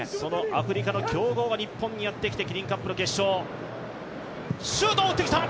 アフリカの強豪が日本にやってきてキリンカップの決勝。